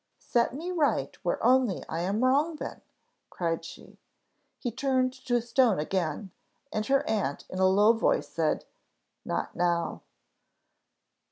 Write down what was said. "Set me right where only I am wrong then," cried she. He turned to stone again, and her aunt in a low voice, said, "Not now."